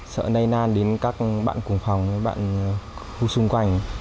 sợ nây nan đến các bạn cùng phòng các bạn khu xung quanh